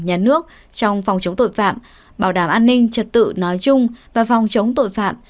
nhà nước trong phòng chống tội phạm bảo đảm an ninh trật tự nói chung và phòng chống tội phạm